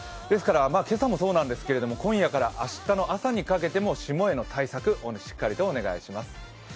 今朝もそうなんですけれども今夜から明日の朝にかけての霜への対策をしっかりとお願いします。